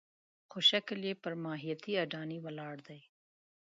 خو شکل یې پر ماهیتي اډانې ولاړ دی.